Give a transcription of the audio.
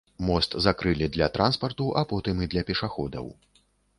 Мост закрылі для транспарту, а потым і для пешаходаў.